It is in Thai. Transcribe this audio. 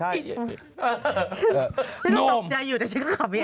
นมไม่ต้องตกใจอยู่แต่ฉันก็ขับอีก